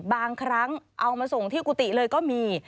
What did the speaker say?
บางครั้งเอามาส่งที่กุฏิเลยก็มี